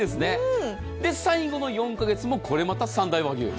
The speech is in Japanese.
最後の４カ月もこれまた三大和牛。